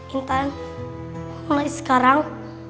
intan mulai sekarang